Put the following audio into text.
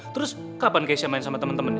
terus kapan keisha main sama temen temen